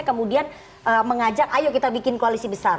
kemudian mengajak ayo kita bikin koalisi besar